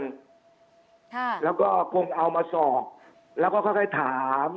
ค่ะแล้วก็คงเอามาสอบแล้วก็ค่อยค่อยถาม